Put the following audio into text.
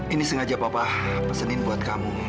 ini sengaja papa pesenin buat kamu